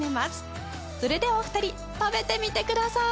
それではお二人食べてみてください！